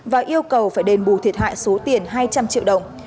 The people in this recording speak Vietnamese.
và yêu cầu phải đền bù thiệt hại số tiền hai trăm linh triệu đồng